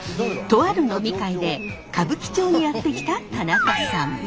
とある飲み会で歌舞伎町にやって来た田中さん。